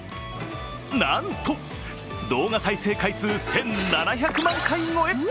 なんと動画再生回数１７００万回超え！